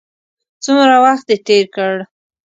څومره وخت دې تېر کړ.